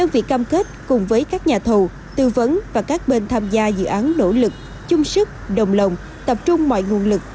với các nhà thầu tư vấn và các bên tham gia dự án nỗ lực chung sức đồng lòng tập trung mọi nguồn lực